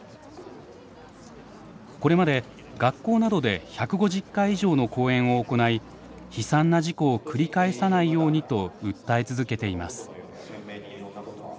これまで学校などで１５０回以上の講演を行い悲惨な事故を繰り返さないようにと訴え続けています。